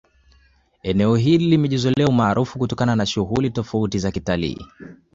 Eneo hili limejizolea umaarufu kutokana na shughuli tofauti za kitalii